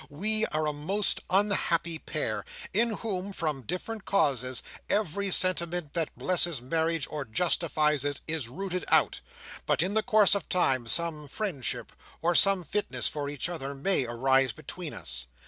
We are a most unhappy pair, in whom, from different causes, every sentiment that blesses marriage, or justifies it, is rooted out; but in the course of time, some friendship, or some fitness for each other, may arise between us.